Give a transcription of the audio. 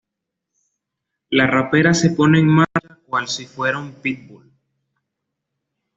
La rapera se pone en marcha cual si fuera un pitbull.